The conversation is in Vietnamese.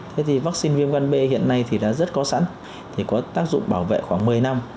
thế thì vaccine viêm gan b hiện nay thì đã rất có sẵn thì có tác dụng bảo vệ khoảng một mươi năm